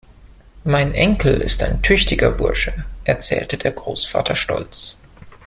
Mein Enkel ist ein tüchtiger Bursche, erzählte der Großvater stolz.